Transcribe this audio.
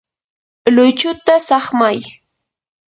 luychuta saqmay.